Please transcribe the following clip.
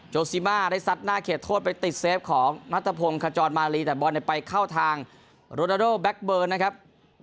ซิมาได้ซัดหน้าเขตโทษไปติดเซฟของนัทพงศ์ขจรมาลีแต่บอลไปเข้าทางโรนาโดแบ็คเบอร์นะครับ